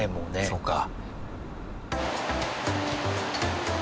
そうか。